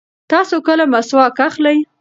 تاسو کله مسواک اخلئ؟